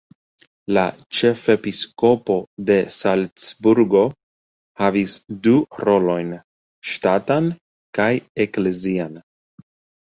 La ĉefepiskopo de Salcburgo havis du rolojn: ŝtatan kaj eklezian.